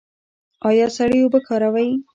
ایا سړې اوبه کاروئ؟